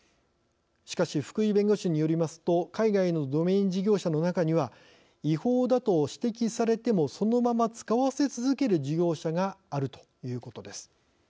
しかし、福井弁護士によりますと海外のドメイン事業者の中には違法だと指摘されてもそのまま使わせ続ける事業者があるということです。